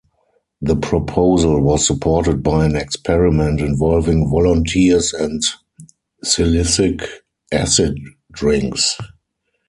The proposal was supported by an experiment involving volunteers and silicic-acid drinks.